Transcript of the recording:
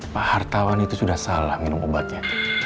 pak hartawan itu sudah salah minum obatnya